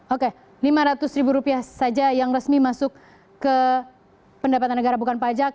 oke rp lima ratus saja yang resmi masuk ke pendapatan negara bukan pajak